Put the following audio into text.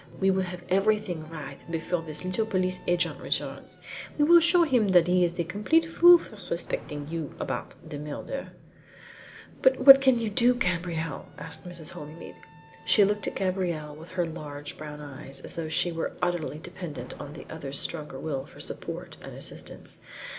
"We will have everything right before this little police agent returns. We will show him he is the complete fool for suspecting you know about the murder." "But what can you do, Gabrielle?" asked Mrs. Holymead. She looked at Gabrielle with her large brown eyes, as though she were utterly dependent on the other's stronger will for support and assistance.